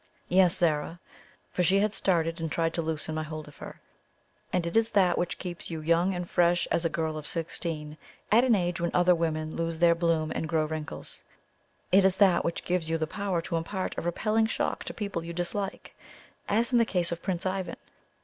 Yes, Zara," for she had started and tried to loosen my hold of her; "and it is that which keeps you young and fresh as a girl of sixteen, at an age when other women lose their bloom and grow wrinkles. It is that which gives you the power to impart a repelling shock to people you dislike, as in the case of Prince Ivan.